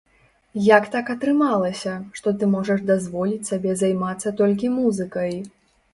Як так атрымалася, што ты можаш дазволіць сабе займацца толькі музыкай?